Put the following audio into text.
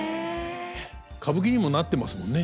歌舞伎にもなってますもんね。